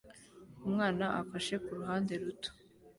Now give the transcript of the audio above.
Umwana afashe kuruhande ruto